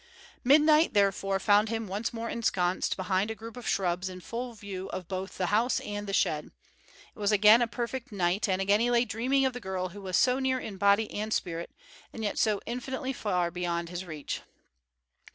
Midnight therefore found him once more ensconced behind a group of shrubs in full view of both the house and the shed. It was again a perfect night, and again he lay dreaming of the girl who was so near in body and in spirit, and yet so infinitely far beyond his reach.